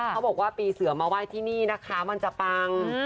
เขาบอกว่าปีเสือมาไหว้ที่นี่นะคะมันจะปัง